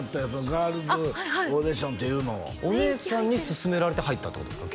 ガールズオーディションっていうのをお姉さんに勧められて入ったってことですか？